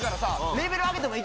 レベル上げるで？